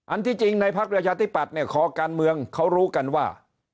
อันที่จริงในภาคประชาธิบัติขอการเมืองเขารู้กันว่า